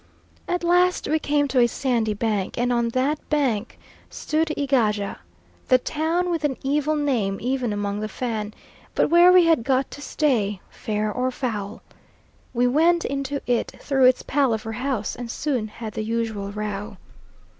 At last we came to a sandy bank, and on that bank stood Egaja, the town with an evil name even among the Fan, but where we had got to stay, fair or foul. We went into it through its palaver house, and soon had the usual row.